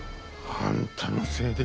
あんたのせいで。